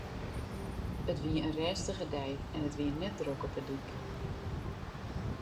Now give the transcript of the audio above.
It wie in rêstige dei en it wie net drok op 'e dyk.